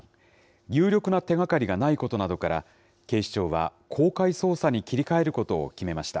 有力な手がかりがないことなどから、警視庁は公開捜査に切り替えることを決めました。